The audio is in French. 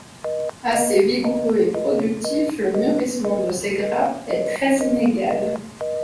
Assez vigoureux et productif, le mûrissement de ses grappes est très inégal.